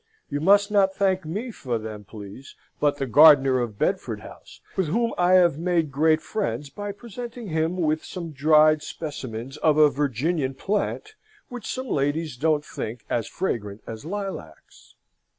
You must not thank me for them, please, but the gardener of Bedford House, with whom I have made great friends by presenting him with some dried specimens of a Virginian plant which some ladies don't think as fragrant as lilacs.